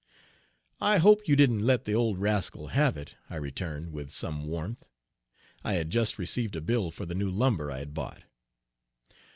"I hope you didn't let the old rascal have it," I returned, with some warmth. I had just received a bill for the new lumber I had bought.